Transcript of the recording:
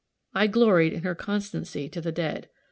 I gloried in her constancy to the dead.